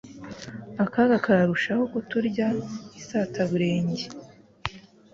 Akaga kararushaho kuturya isataburenge.